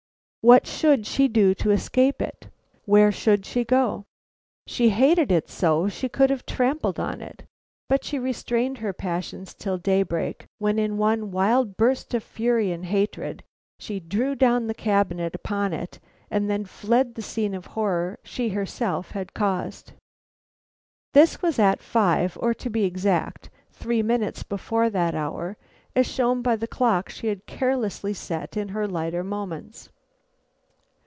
What should she do to escape it? Where should she go? She hated it so she could have trampled on it, but she restrained her passions till daybreak, when in one wild burst of fury and hatred she drew down the cabinet upon it, and then fled the scene of horror she had herself caused. This was at five, or, to be exact, three minutes before that hour, as shown by the clock she had carelessly set in her lighter moments.